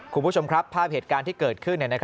คุณผู้ชมครับภาพเหตุการณ์ที่เกิดขึ้น